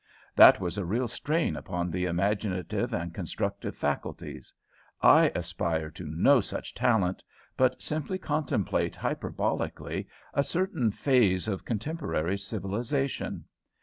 That was a real strain upon the imaginative and constructive faculties; I aspire to no such talent, but simply contemplate hyperbolically a certain phase of contemporary civilisation.